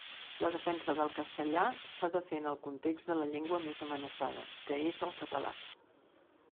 La defensa del castellà s'ha de fer en el context de la llengua més amenaçada, que és el català.